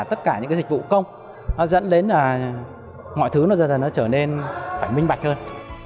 tất cả những dịch vụ công dẫn đến mọi thứ trở nên phải minh bạch hơn